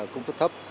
công chức thấp